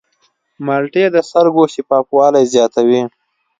مالټې د سترګو شفافوالی زیاتوي.